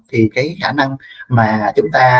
thì cái khả năng mà chúng ta